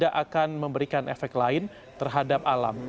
akan memberikan efek lain terhadap alam